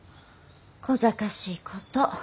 こざかしいこと。